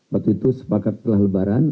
waktu itu sepakat setelah lebaran